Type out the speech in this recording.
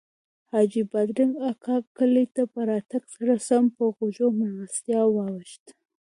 حاجي بادرنګ اکا کلي ته په راتګ سره سم پر غوړو میلمستیاوو واوښت.